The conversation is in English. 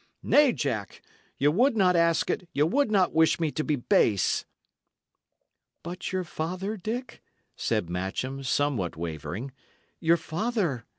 Nay, Jack, ye would not ask it; ye would not wish me to be base." "But your father, Dick?" said Matcham, somewhat wavering. "Your father?